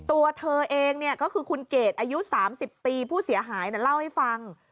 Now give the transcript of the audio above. ตัวเธอเองก็คือคุณเกดอายุ๓๐ปีผู้เสียหายเล่าให้ฟัง